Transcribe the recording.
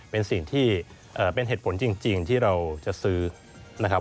เป็นสิ่งที่เป็นเหตุผลจริงที่เราจะซื้อนะครับ